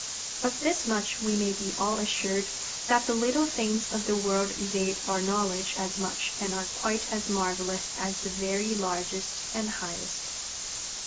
Of this much we may be all assured, that the little things of the world evade our knowledge as much and are quite as marvelous as the very largest and highest.